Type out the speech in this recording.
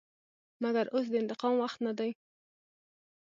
مګر اوس د انتقام وخت نه دى.